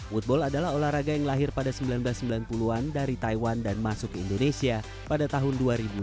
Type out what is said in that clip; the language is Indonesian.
woodball adalah olahraga yang lahir pada seribu sembilan ratus sembilan puluh an dari taiwan dan masuk ke indonesia pada tahun dua ribu dua